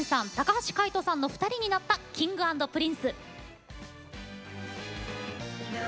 橋海人さんの２人になったＫｉｎｇ＆Ｐｒｉｎｃｅ。